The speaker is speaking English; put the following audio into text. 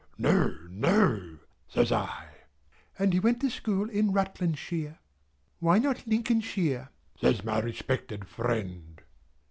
"No, no," says I. "And he went to school in Rutlandshire " "Why not Lincolnshire?" says my respected friend.